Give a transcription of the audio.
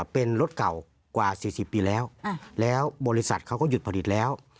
เป็นรถเก่ากว่า๔๐ปีแล้วแล้วบริษัทเขาก็หยุดผลิตแล้ว